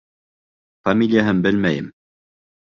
— Фамилияһын белмәйем.